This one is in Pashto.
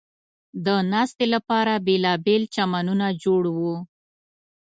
د ناستې لپاره بېلابېل چمنونه جوړ و.